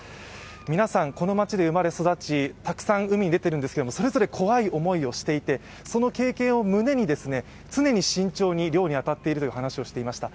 皆さん、この町で生まれ育ち、たくさん海に出ているんですがそれぞれ怖い思いをしていてその経験を胸に常に慎重に漁に当たっているという話をしていました。